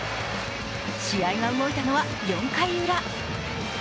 試合が動いたのは４回ウラ。